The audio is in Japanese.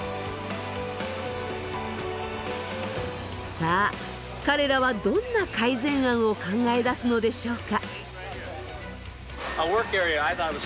さあ彼らはどんな改善案を考え出すのでしょうか？